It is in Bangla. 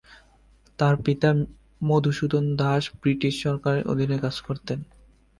তার পিতা মধুসূদন দাস ব্রিটিশ সরকারের অধীনে কাজ করতেন।